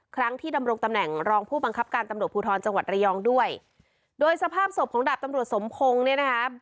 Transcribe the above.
ครั้งที่ดำรงตำแหน่งรองผู้บังคับการตำรวจภูทรจังหวัดระยองด้วยโดยสภาพศพของดาบตำรวจสมพงศ์เนี่ยนะคะ